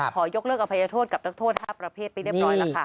ขอยกเลิกอภัยโทษกับนักโทษ๕ประเภทไปเรียบร้อยแล้วค่ะ